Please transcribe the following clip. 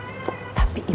emang ada sih